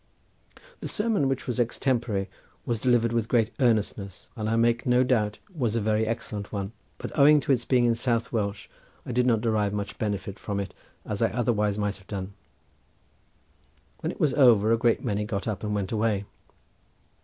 The sermon, which was extempore, was delivered with great earnestness, and I make no doubt was a very excellent one, but owing to its being in South Welsh I did not derive so much benefit from it as I otherwise might have done. When it was over a great many got up and went away.